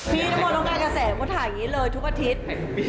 มีทั้งหมดตรงการจะแสงแล้วทางนี้เลยทุกอาทิตย์